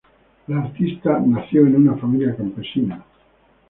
La artista nació en una familia campesina.